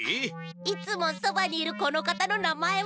いつもそばにいるこのかたのなまえは？